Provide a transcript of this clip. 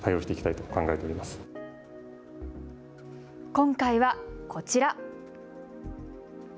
今回はこちら。